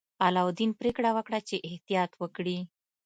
علاوالدین پریکړه وکړه چې احتیاط وکړي.